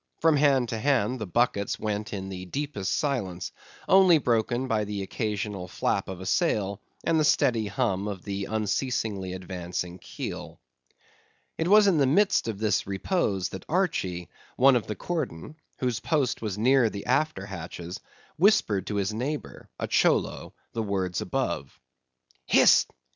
From hand to hand, the buckets went in the deepest silence, only broken by the occasional flap of a sail, and the steady hum of the unceasingly advancing keel. It was in the midst of this repose, that Archy, one of the cordon, whose post was near the after hatches, whispered to his neighbor, a Cholo, the words above. "Hist!